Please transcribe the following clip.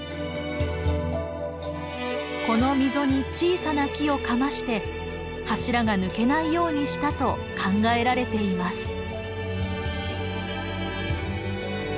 この溝に小さな木をかまして柱が抜けないようにしたと考えられています。